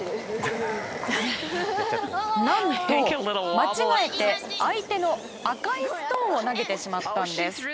なんと間違えて相手の赤いストーンを投げてしまったんです。